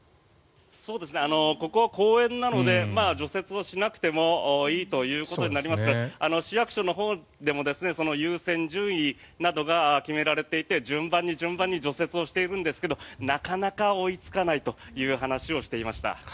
ここは公園なので除雪をしなくてもいいということになりますが市役所のほうでも優先順位などが決められていて順番に順番に除雪をしているんですけどなかなか追いつかないという話をしていました。